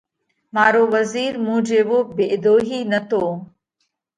مارو وزِير مُون جيوو ڀيۮوهِي نتو،